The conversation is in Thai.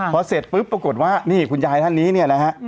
พอเสร็จปุ๊บปรากฏว่านี่คุณยายท่านนี้เนี่ยนะฮะ